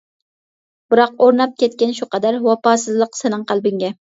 بىراق ئورناپ كەتكەن شۇ قەدەر، ۋاپاسىزلىق سېنىڭ قەلبىڭگە.